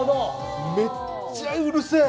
めっちゃうるせえ！